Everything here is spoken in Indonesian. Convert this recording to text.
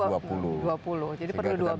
jadi perlu dua belas lagi